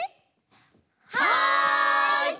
はい！